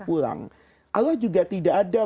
pulang allah juga tidak ada